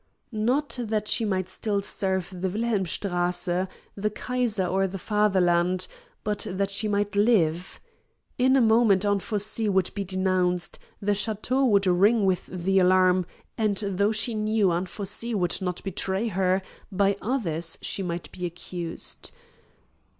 Not that she might still serve the Wilhelmstrasse, the Kaiser, or the Fatherland; but that she might live. In a moment Anfossi would be denounced, the château would ring with the alarm, and, though she knew Anfossi would not betray her, by others she might be accused.